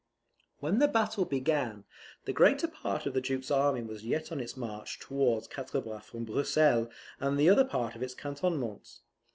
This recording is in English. When the battle began, the greater part of the Duke's army was yet on its march towards Quatre Bras from Brussels and the other parts of its cantonments.